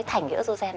thành cái ớt oxygen